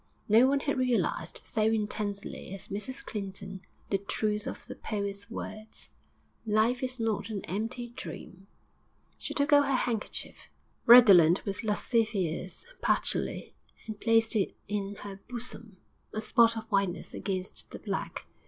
No one had realised so intensely as Mrs Clinton the truth of the poet's words. Life is not an empty dream. She took out her handkerchief, redolent with lascivious patchouli, and placed it in her bosom a spot of whiteness against the black....